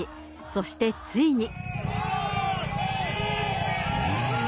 そしてついに。